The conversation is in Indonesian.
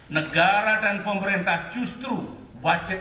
negara dan pemerintah justru wajib